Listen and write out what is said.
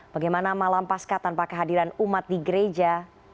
bagaimana malam pasca tanpa kehadiran umat di gereja